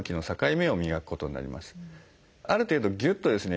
ある程度ぎゅっとですね